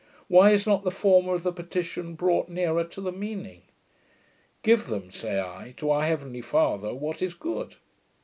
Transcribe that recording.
Why is not the form of the petition brought nearer to the meaning? Give them, say I to our heavenly father, what is good.